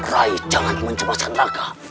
rai jangan mencemasan raka